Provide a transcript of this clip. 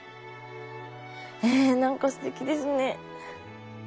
え何かすてきですね。